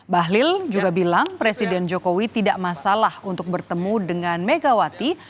bahlil juga bilang presiden jokowi tidak masalah untuk bertemu dengan megawati